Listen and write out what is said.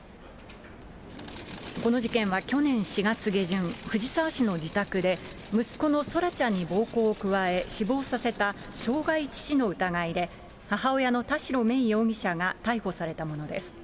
この事件は去年４月下旬、藤沢市の自宅で、息子の空来ちゃんに暴行を加え、死亡させた傷害致死の疑いで、母親の田代芽衣容疑者が逮捕されたものです。